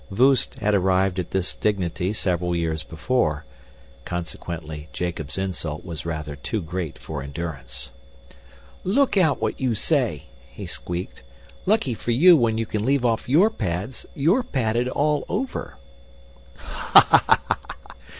Voost had arrived at this dignity several years before; consequently Jacob's insult was rather to great for endurance. "Look out what you say!" he squeaked. "Lucky for you when you can leave off YOUR pads you're padded all over!" "Ha! ha!"